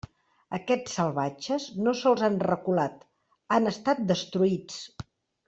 Aquests salvatges no sols han reculat, han estat destruïts.